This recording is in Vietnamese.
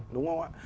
đúng không ạ